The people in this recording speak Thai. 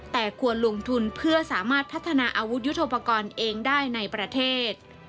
แต่ควรลงทุนเพื่อสามารถพัฒนาอาวุธยุทธโปรกรณ์เองได้ในประเทศ